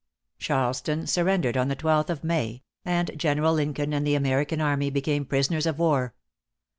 Charleston surrendered on the twelfth of May; and General Lincoln and the American army became prisoners of war.